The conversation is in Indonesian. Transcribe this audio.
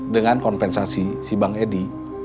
dengan kompensasi si bang edi